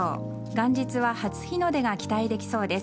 元日は初日の出が期待できそうです。